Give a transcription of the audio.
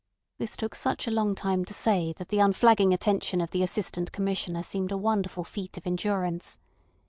This took such a long time to say that the unflagging attention of the Assistant Commissioner seemed a wonderful feat of endurance.